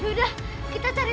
yaudah kita cari lagi